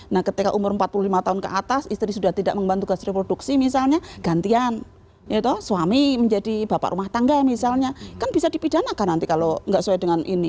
nah ketika umur empat puluh lima tahun ke atas istri sudah tidak mengembang tugas reproduksi misalnya gantian suami menjadi bapak rumah tangga misalnya kan bisa dipidanakan nanti kalau nggak sesuai dengan ini